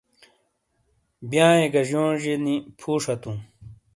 بیانیۓ گہ جونیجۓ نی فُو شاتون۔